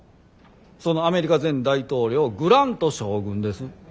そのアメリカ前大統領グラント将軍です。